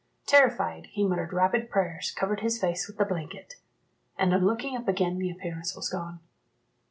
Terrified, he muttered rapid prayers, covered his face with the blanket; and on looking up again the appearance was gone.